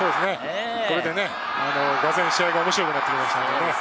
これで、俄然、試合が面白くなってきましたからね。